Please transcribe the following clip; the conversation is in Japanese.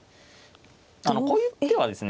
こういう手はですね